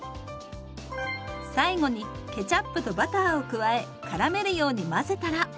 最後にケチャップとバターを加えからめるように混ぜたら。